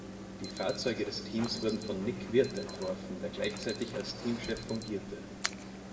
Die Fahrzeuge des Teams wurden von Nick Wirth entworfen, der gleichzeitig als Teamchef fungierte.